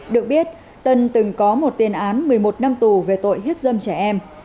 được biết tân từng có một tiền án một mươi một năm tù về tội hiếp dâm trẻ em